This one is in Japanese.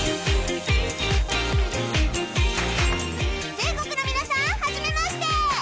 全国の皆さんはじめまして